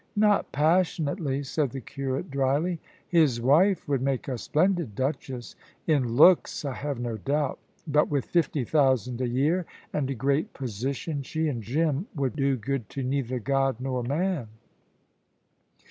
"Not passionately," said the curate, dryly. "His wife would make a splendid duchess." "In looks, I have no doubt. But with fifty thousand a year and a great position, she and Jim would do good to neither God nor man."